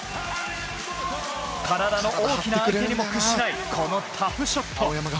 体の大きな相手にも屈しない、このタフショット。